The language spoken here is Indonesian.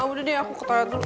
oh udah deh aku ke toilet dulu